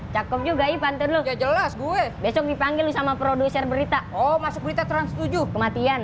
cakup juga ya pantun lu besok dipanggil sama produser berita oh masuk berita trans tujuh kematian